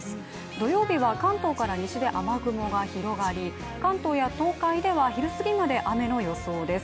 土曜日は関東から西へ雨雲が広がり、関東や東海では、昼すぎまで雨の予想です。